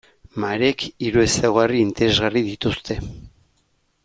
Mareek hiru ezaugarri interesgarri dituzte.